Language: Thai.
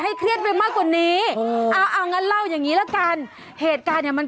เฮ้ยน้องอย่าเข้าเขียนร้าน